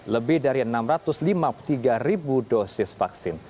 lebih dari enam ratus lima puluh tiga ribu dosis vaksin